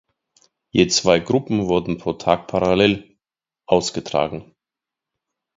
Je zwei Gruppen wurden pro Tag parallel ausgetragen.